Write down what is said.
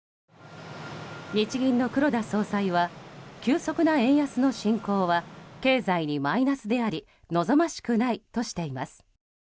日銀の黒田総裁は急速な円安の進行は経済にマイナスであり望ましくないとしています。